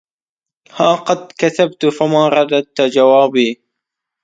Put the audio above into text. ها قد كتبت فما رددت جوابي